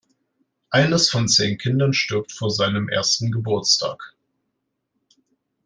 Eines von zehn Kindern stirbt vor seinem ersten Geburtstag.